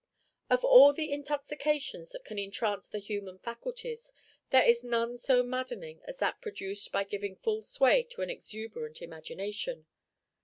Of all the intoxications that can entrance the human faculties, there is none so maddening as that produced by giving full sway to an exuberant imagination.